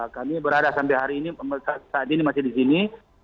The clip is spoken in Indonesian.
kami berada sampai hari ini saat ini masih di sini